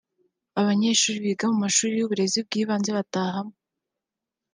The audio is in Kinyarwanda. abanyeshuri biga mu mashuri y’uburezi bw’ibanze batahamo